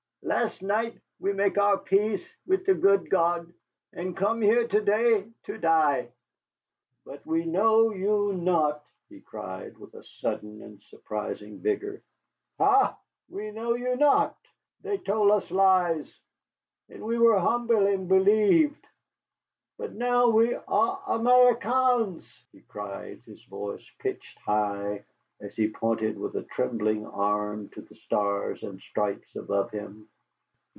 Last night we make our peace with the good God, and come here to day to die. But we know you not," he cried, with a sudden and surprising vigor; "ha, we know you not! They told us lies, and we were humble and believed. But now we are Américains," he cried, his voice pitched high, as he pointed with a trembling arm to the stars and stripes above him.